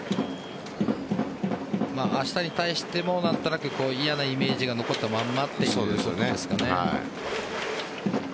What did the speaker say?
明日に対しても何となく嫌なイメージが残ったままということですかね。